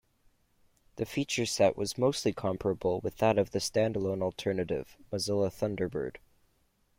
The feature set was mostly comparable with that of the stand-alone alternative, Mozilla Thunderbird.